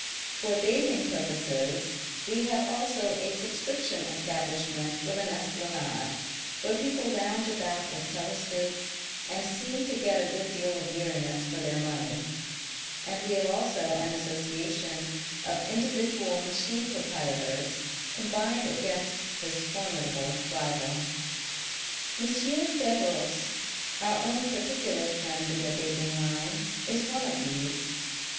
For bathing purposes, we have also a subscription establishment with an esplanade, where people lounge about with telescopes, and seem to get a good deal of weariness for their money ; and we have also an association of individual machine proprietors combined against this formidable rival. M. F£roce, our own particular friend in the bathing line, is one of these.